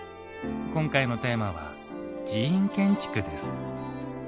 今回のテーマは「寺院建築」です。